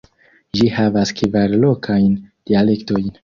Ĝi havas kvar lokajn dialektojn.